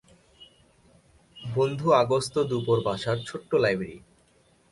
বন্ধু আগস্ত দুপোঁর বাসার ছোট্ট লাইব্রেরি।